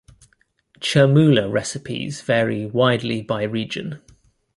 Chermoula recipes vary widely by region.